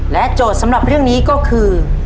โจทย์สำหรับเรื่องนี้ก็คือ